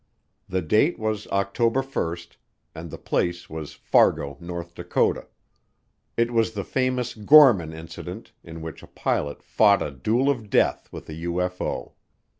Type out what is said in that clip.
The date was October 1, and the place was Fargo, North Dakota; it was the famous Gorman Incident, in which a pilot fought a "duel of death" with a UFO.